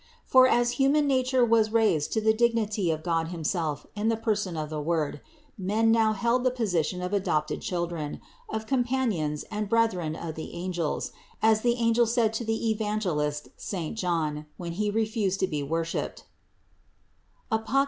For as human nature was raised to the dignity of God himself in the person of the Word, men now held the position of adopted children, of com panions and brethren of the angels, as the angel said to Evangelist Saint John, when he refused to be wor shipped (Apoc.